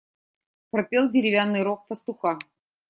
Пропел деревянный рог пастуха.